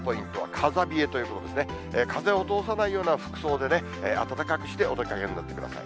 風を通さないような服装でね、暖かくしてお出かけになってください。